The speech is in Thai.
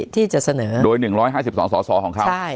ที่จะเสนอโดย๑๕๒สสของเขา